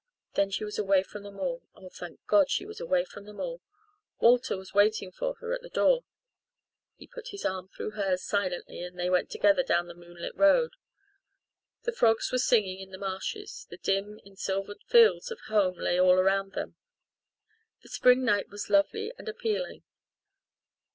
Then she was away from them all oh, thank God, she was away from them all Walter was waiting for her at the door. He put his arm through hers silently and they went together down the moonlit road. The frogs were singing in the marshes, the dim, ensilvered fields of home lay all around them. The spring night was lovely and appealing.